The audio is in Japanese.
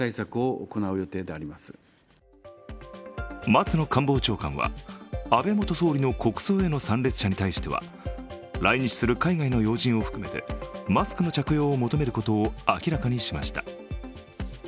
松野官房長官は、安倍元総理の国葬への参列者に対しては来日する海外の要人を含めて、マスクの着用を求めることを明らかにしました。